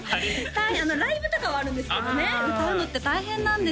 ライブとかはあるんですけどね歌うのって大変なんですよ